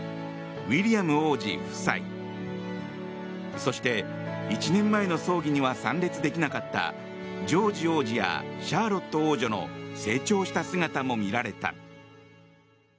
ウィリアム王子夫妻そして１年前の葬儀には参列できなかったジョージ王子やシャーロット王女の成長した姿も見られた。